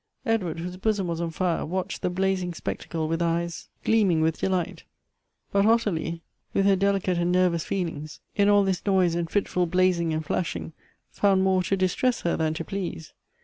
Edward, whose bosom 126 Goethe's "was on fire, watched the blazing spectacle with eyes gleaming with delight ; but Ottilie, with her delicate and nervous feelings, in all this noise and fitful blazing and flashing, found more to distress her than to please.